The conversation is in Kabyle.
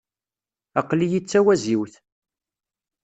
Aql-iyi d tawaziwt.